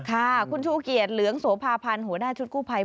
ค่ะคุณชูเกียจเหลืองโสภาพันธ์หัวหน้าชุดกู้ภัย